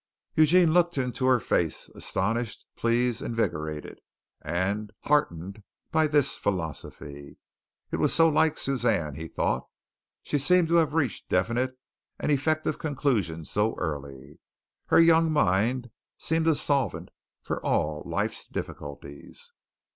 Eugene looked into her face, astonished, pleased, invigorated, and heartened by this philosophy. It was so like Suzanne, he thought. She seemed to have reached definite and effective conclusions so early. Her young mind seemed a solvent for all life's difficulties.